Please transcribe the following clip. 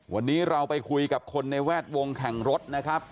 วันนี้เราไปคุยกับคนในแวดวงแข่งรถนะครับ